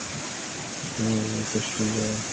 Mimi nipo shuleni